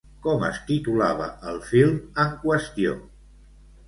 Com es titulava el film en qüestió?